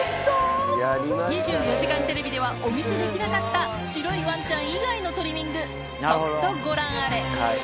２４時間テレビではお見せできなかった白いわんちゃん以外のトリミング、とくとご覧あれ。